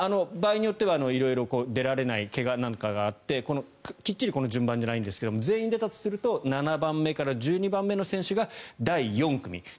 場合によっては色々出られない怪我なんかがあってきっちりこの順番ではないんですが全員出たとすると７番目から１２番目の選手が第４組。